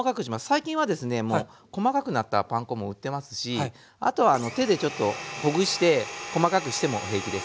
最近はですねもう細かくなったパン粉も売ってますしあとは手でちょっとほぐして細かくしても平気です。